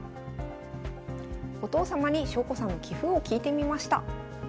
お父様に翔子さんの棋風を聞いてみました。